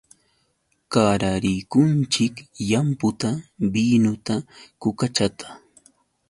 Qararikunchik llamputa, binuta, kukachata.